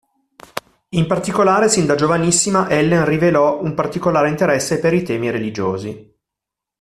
In particolare sin da giovanissima Ellen rivelò un particolare interesse per i temi religiosi.